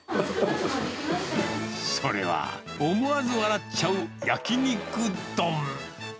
それは、思わず笑っちゃう焼き肉丼。